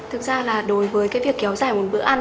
thực ra là đối với cái việc kéo dài một bữa ăn